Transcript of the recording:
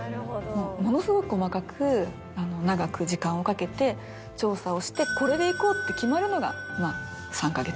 ものすごく細く長く時間をかけて調査をしてこれでいこうって。